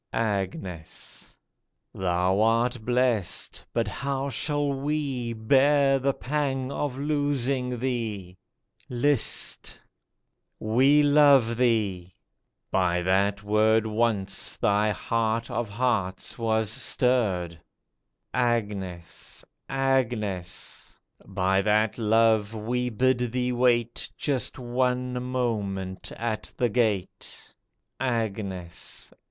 54 AGNES Thou art blest, but how shall we Bear the pang of losing thee ? List ! we love thee I By that word Once thy heart of hearts was stirred. Agnes ! Agnes ! By that love we bid thee wait Just one moment at the gate ! Agnes